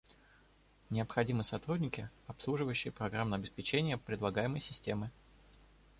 Необходимы сотрудники, обслуживающие программное обеспечение предлагаемой системы